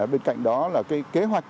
bên cạnh đó là kế hoạch